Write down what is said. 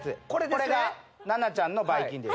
これが奈々ちゃんのばい菌です